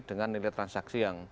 dengan nilai transaksi yang